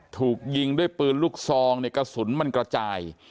ถูกยิงด้วยปืนลูกซองเนี่ยกระสุนมันกระจาย